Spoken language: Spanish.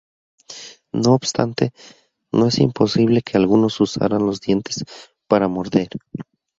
No obstante, no es imposible que algunos usaran los dientes para morder.